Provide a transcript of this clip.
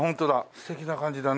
素敵な感じだね。